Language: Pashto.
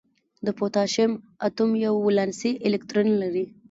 د پوتاشیم اتوم یو ولانسي الکترون لري.